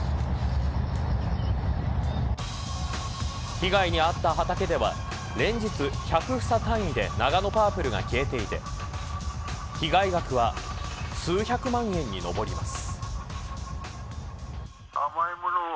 被害に遭った畑では連日１００房単位でナガノパープルが消えていて被害額は数百万円にのぼります。